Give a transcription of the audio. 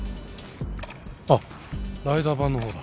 あっライダー版のほうだ。